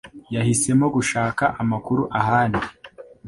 Yahisemo gushaka amakuru ahandi